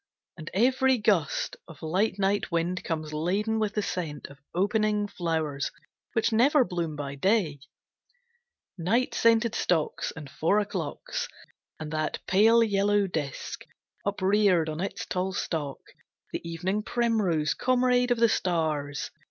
And every gust Of light night wind comes laden with the scent Of opening flowers which never bloom by day: Night scented stocks, and four o'clocks, and that Pale yellow disk, upreared on its tall stalk, The evening primrose, comrade of the stars.